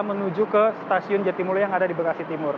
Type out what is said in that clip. menuju ke stasiun jatimulia yang ada di bekasi timur